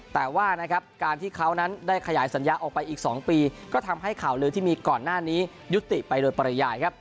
แต่ว่านะครับการที่เขานั้นได้ขยายสัญญาออกไปอีก๒ปีก็ทำให้ข่าวลือที่มีก่อนหน้านี้ยุติไปโดยปริยายครับ